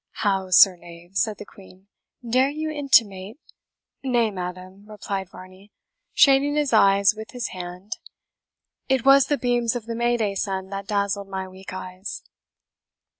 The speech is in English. "How, sir knave?" said the Queen; "dare you intimate " "Nay, madam," replied Varney, shading his eyes with his hand, "it was the beams of the May day sun that dazzled my weak eyes."